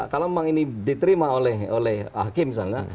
kalau memang ini diterima oleh hakim misalnya